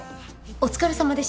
お疲れさまでした。